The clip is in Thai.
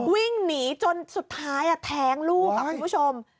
วิ่งหนีจนสุดท้ายแท้งลูกคุณผู้ชม